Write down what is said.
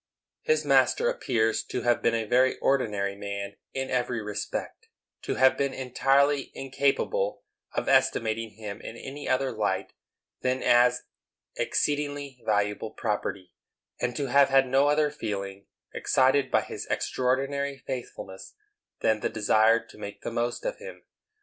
His master appears to have been a very ordinary man in every respect,—to have been entirely incapable of estimating him in any other light then as exceedingly valuable property, and to have had no other feeling excited by his extraordinary faithfulness than the desire to make the most of him.